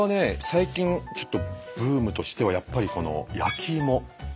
最近ちょっとブームとしてはやっぱり焼き芋。